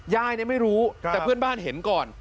ยายไม่รู้แต่เพื่อนบ้านเห็นก่อน